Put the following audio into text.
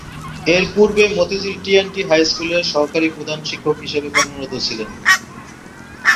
এর পূর্বে Motijheel T and T high স্কুলে সহকারী প্রধান শিক্ষক হিসেবে কর্মরত ছিলেন।